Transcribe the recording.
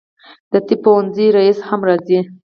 د طب پوهنځي رییسه هم راځي.